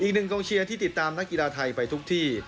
อีกหนึ่งกองเชียร์ที่ติดตามนักกีฬาไทยไปทุกที่